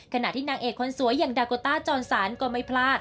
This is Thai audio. ขณะที่นางเอกคนสวยอย่างดาโกต้าจอนสารก็ไม่พลาด